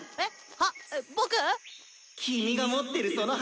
はっ僕⁉「君が持ってるその鉢！